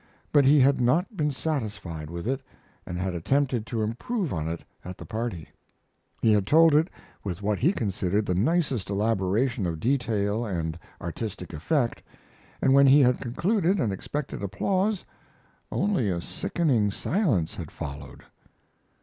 But he had not been satisfied with it, and had attempted to improve on it at the party. He had told it with what he considered the nicest elaboration of detail and artistic effect, and when he had concluded and expected applause, only a sickening silence had followed.